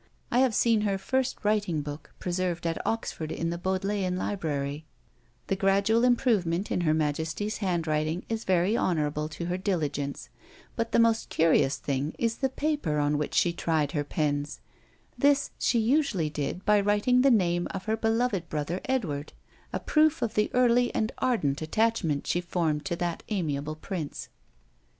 I have seen her first writing book, preserved at Oxford in the Bodleian Library: the gradual improvement in her majesty's handwriting is very honourable to her diligence; but the most curious thing is the paper on which she tried her pens; this she usually did by writing the name of her beloved brother Edward; a proof of the early and ardent attachment she formed to that amiable prince.